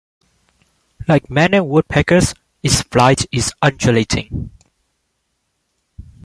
Like many woodpeckers, its flight is undulating.